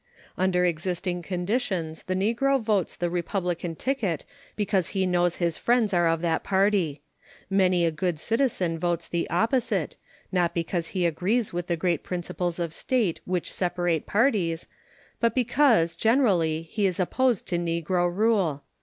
Under existing conditions the negro votes the Republican ticket because he knows his friends are of that party. Many a good citizen votes the opposite, not because he agrees with the great principles of state which separate parties, but because, generally, he is opposed to negro rule.